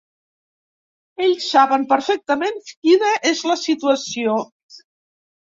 Ells saben perfectament quina és la situació.